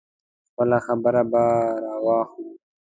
خپله خبره به راواخلو.